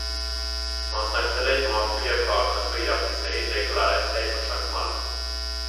Մասնակցել է մարդու և քաղաքացու իրավունքների դեկլարացիայի մշակմանը։